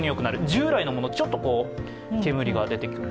従来のもの、ちょっと煙が出てくる。